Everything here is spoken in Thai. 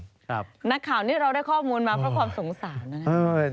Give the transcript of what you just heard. นักข่าวนี้เราได้ข้อมูลมาเพราะความสงสารนะครับ